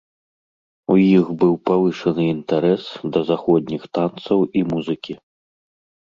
У іх быў павышаны інтарэс да заходніх танцаў і музыкі.